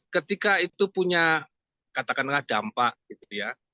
ketika itu punya katakanlah dampak gitu ya